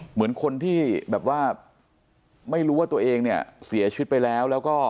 เหมือนคนที่แบบว่าไม่รู้ว่าตัวเองเนี่ยเสียชีวิตไปแล้วแล้วก็